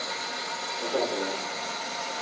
「恐らく皆さん